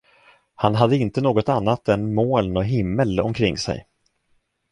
Han hade inte något annat än moln och himmel omkring sig.